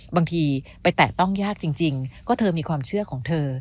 บางทีไปแตะต้องยากจริงก็เธอมีความเชื่อของเธอ